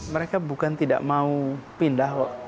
mereka bukan tidak mau pindah kok